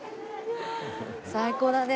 最高だね。